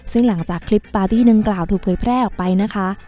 ซึ่งหลังจากคลิปปาร์ตี้ดังกล่าวถูกเผยแพร่ออกไปนะคะ